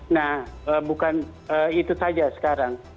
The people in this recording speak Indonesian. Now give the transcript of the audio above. nah bukan itu saja sekarang